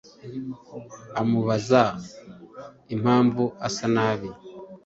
amubaza impamvu asa nabi